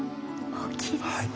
大きいです。